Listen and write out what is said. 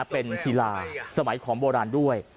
เป็นกีฬาสมัยของโบราณด้วย